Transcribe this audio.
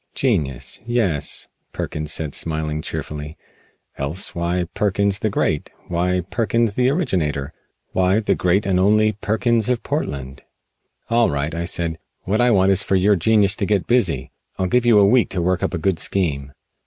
"Genius, yes," Perkins said smiling cheerfully, "else why Perkins the Great? Why Perkins the originator? Why the Great and Only Perkins of Portland?" "All right," I said, "what I want is for your genius to get busy. I'll give you a week to work up a good scheme."